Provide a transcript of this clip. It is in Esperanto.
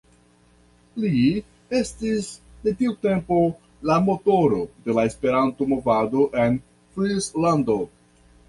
Li estis de tiu tempo la "motoro" de la Esperanto-movado en Frislando.